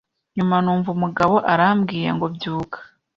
nyuma numva umugabo arambwiye ngo byuka